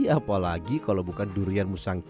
apalagi kalau bukan durian musangki